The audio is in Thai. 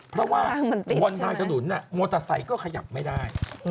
เพราะว่าบนทางถนนมอเตอร์ไซค์ก็ขยับไม่ได้